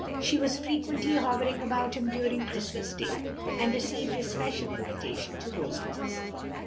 She was frequently hovering about him during Christmas day; and received a special invitation to Roselands.